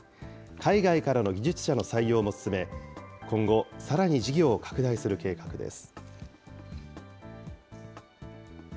海外からの技術者の採用も進め、今後、さらに事業を拡大する計画です。